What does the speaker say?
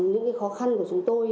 những cái khó khăn của chúng tôi